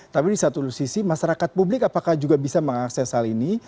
tapi di satu sisi masyarakat publik apakah juga bisa mengakses hal ini